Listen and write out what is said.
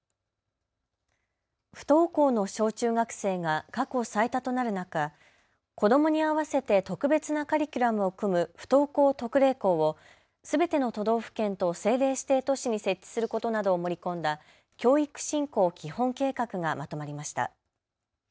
不登校の小中学生が過去最多となる中、子どもに合わせて特別なカリキュラムを組む不登校特例校を全ての都道府県と政令指定都市に設置することなどを盛り込んだ教育振興基本計画がまとまりました。